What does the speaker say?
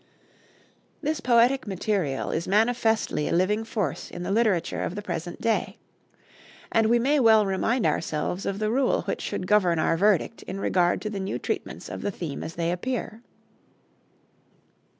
This poetic material is manifestly a living force in the literature of the present day. And we may well remind ourselves of the rule which should govern our verdict in regard to the new treatments of the theme as they appear.